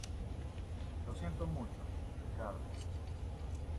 lo siento mucho, Ricardo.